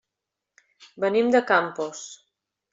Venim de Campos.